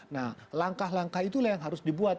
nah langkah langkah itulah yang harus dibuat